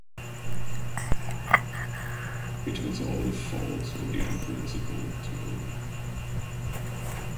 It was all the fault of the unprincipled toad.